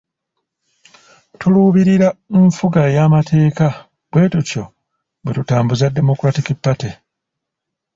Tuluubirira nfuga ey'amateeka, bwetutyo bwe tutambuza Democratic Party